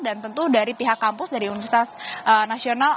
dan tentu dari pihak kampus dari universitas nasional